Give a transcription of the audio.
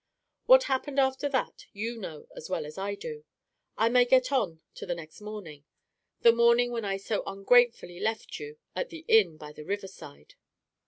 "What happened after that, you know as well as I do. I may get on to the next morning the morning when I so ungratefully left you at the inn by the river side.